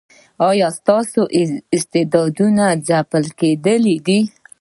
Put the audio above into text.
ایا ستاسو استعداد ځلیدلی دی؟